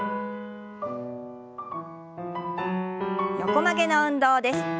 横曲げの運動です。